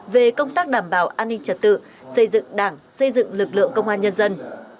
về công tác đảm bảo an ninh trật tự xây dựng đảng xây dựng lực lượng công an nhân dân